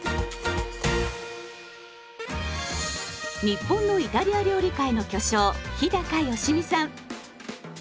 日本のイタリア料理界の巨匠日良実さん。